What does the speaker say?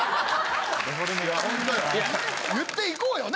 言っていこうよね。